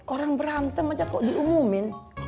orang berantem aja kok diumumin